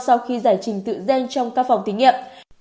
sau khi giải trình tự gen trong các phòng thí nghiệm